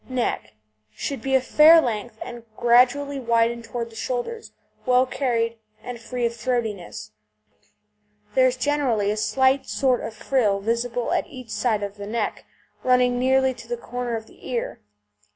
NECK Should be of a fair length, and gradually widening towards the shoulders, well carried, and free of throatiness. There is generally a slight sort of frill visible at each side of the neck, running nearly to the corner of the ear.